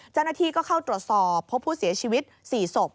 เจ้าหน้าที่ก็เข้าตรวจสอบพบผู้เสียชีวิต๔ศพ